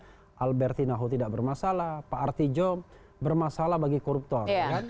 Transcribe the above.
pak alberti naho tidak bermasalah pak artijo bermasalah bagi koruptor